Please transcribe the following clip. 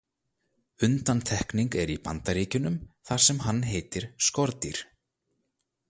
Undantekning er í Bandaríkjunum þar sem hann heitir „skordýr“